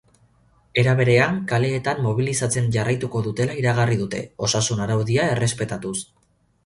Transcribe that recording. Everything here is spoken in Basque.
Era berean, kaleetan mobilizatzen jarraituko dutela iragarri dute, osasun araudia errespetatuz.